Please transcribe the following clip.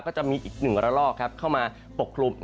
ก็จะมีอีก๑ระลอกเข้ามาปกคลุม